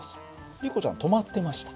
リコちゃんは止まってました。